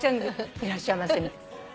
「いらっしゃいませ」みたいな。